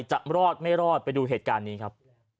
จะรอดไม่รอดไปดูเหตุการณ์นี้ครับ